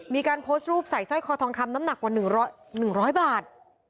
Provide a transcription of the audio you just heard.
มีการโพสต์รูปใส่สร้อยคอทองคำน้ำหนักกว่า๑๐๐บาท